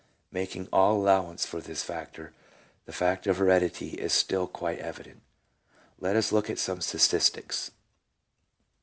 Making all allow ance for this factor, the fact of heredity is still quite evident. Let us look at some statistics.